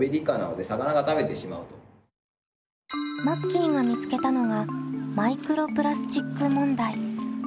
マッキーが見つけたのがマイクロプラスチック問題。